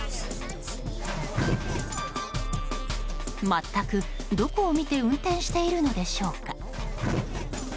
全く、どこを見て運転しているのでしょうか。